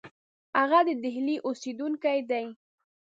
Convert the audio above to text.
هغه د ډهلي اوسېدونکی دی.